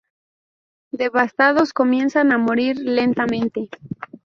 Devastados, comienzan a morir lentamente.